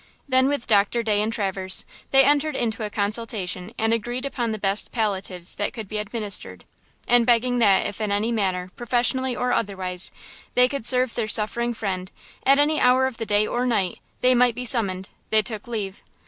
Then, with Doctor Day and Traverse, they entered into a consultation and agreed upon the best palliatives that could be administered, and begging that if in any manner, professionally or otherwise, they could serve their suffering friend, at any hour of the day or night, they might be summoned, they took leave.